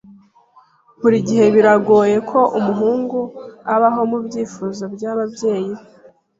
Burigihe biragoye ko umuhungu abaho mubyifuzo byababyeyi be.